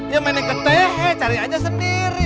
ya menikah tehe cari aja sendiri